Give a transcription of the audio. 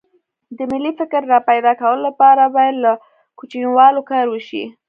د ملي فکر راپیدا کولو لپاره باید له کوچنیوالي کار وشي